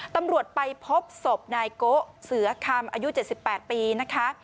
ตำรวจไปพบศพนายโกะเสือคำอายุ๗๘ปีนะคะ